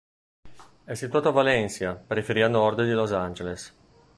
È situato a Valencia, periferia nord di Los Angeles.